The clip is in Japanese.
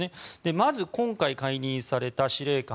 まず今回解任された司令官